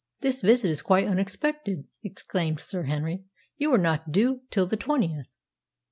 "This visit is quite unexpected," exclaimed Sir Henry. "You were not due till the 20th."